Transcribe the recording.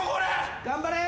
・頑張れ！